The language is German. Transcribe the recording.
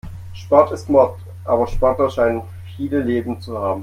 Sport ist Mord, aber Sportler scheinen viele Leben zu haben.